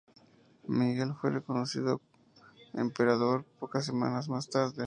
Miguel fue reconocido emperador pocas semanas más tarde, restaurando el Imperio bizantino.